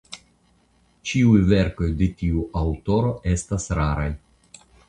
Ĉiuj verkoj de tiu aŭtoro estas raraj.